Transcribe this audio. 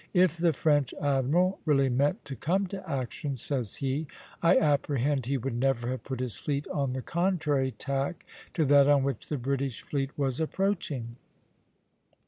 "If the French admiral really meant to come to action," says he, "I apprehend he would never have put his fleet on the contrary tack to that on which the British fleet was approaching."